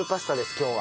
今日は。